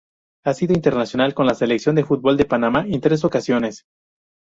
Ha sido internacional con la Selección de fútbol de Panamá en tres ocasiones.